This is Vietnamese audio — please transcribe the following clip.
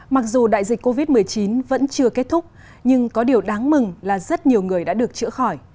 mặc dù đại dịch covid một mươi chín vẫn chưa kết thúc nhưng có điều đáng mừng là rất nhiều người đã được chữa khỏi